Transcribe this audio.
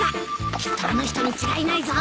きっとあの人に違いないぞ。